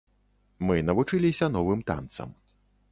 Мы навучыліся новым танцам.